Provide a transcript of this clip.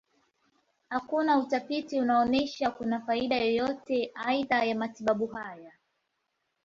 Hakuna utafiti unaonyesha kuna faida yoyote aidha ya matibabu haya.